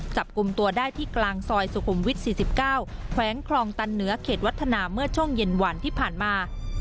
จับกลุ่มตัวได้ที่กลางซอยสุขุมวิท๔๙แขวงคลองตันเหนือเขตวัฒนาเมื่อช่วงเย็นวันที่ผ่านมา